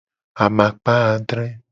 Amakpa adre.